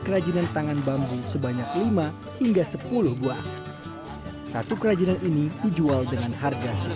kerajinan tangan bambu sebanyak lima hingga sepuluh buah satu kerajinan ini dijual dengan harga